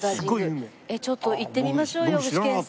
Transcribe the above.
ちょっと行ってみましょうよ具志堅さん。